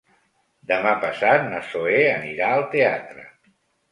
Demà passat na Zoè anirà al teatre.